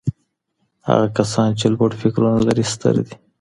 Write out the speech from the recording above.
هغه کسان چي لوړ فکرونه لري ستر دي.